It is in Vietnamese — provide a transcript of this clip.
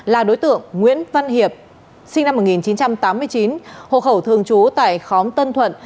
là đối tượng nguyễn văn hiệp sinh năm một nghìn chín trăm tám mươi chín hộ khẩu thường trú tại khóm tân thuận